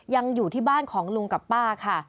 ยังอยู่ที่บ้านของลุงกับป้าค่ะ